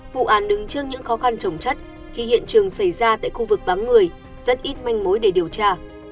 vụ án đứng trước những khó khăn trồng chất khi hiện trường xảy ra tại khu vực bám người rất ít manh mối để điều tra